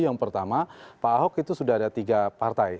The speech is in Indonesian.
yang pertama pak ahok itu sudah ada tiga partai